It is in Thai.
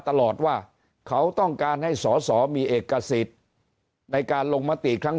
ตลอดว่าเขาต้องการให้สอสอมีเอกสิทธิ์ในการลงมติครั้ง